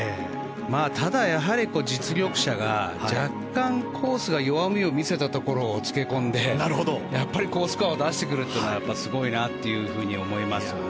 ただ、やはり実力者が若干、コースが弱みを見せたところを付け込んで、やっぱり好スコアを出してくるっていうのがすごいなと思いますね。